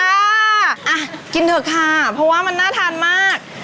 อ่ะกินเถอะค่ะเพราะว่ามันน่าทานมาก